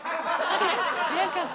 早かった。